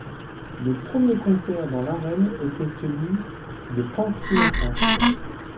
Le premier concert dans l'arène était celui de Frank Sinatra.